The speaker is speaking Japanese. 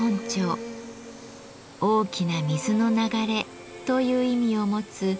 「大きな水の流れ」という意味を持つ